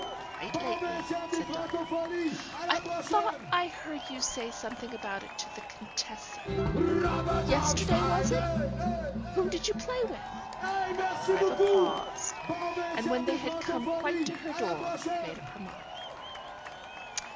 "Quite lately," said Diva. "I thought I heard you say something about it to the Contessa. Yesterday, was it? Whom did you play with?" Diva paused, and, when they had come quite to her door, made up her mind.